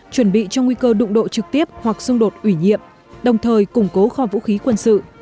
chuẩn bị cho nguy cơ đụng độ trực tiếp hoặc xung đột ủy nhiệm đồng thời củng cố kho vũ khí quân sự